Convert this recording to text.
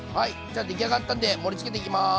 じゃあ出来上がったんで盛りつけていきます！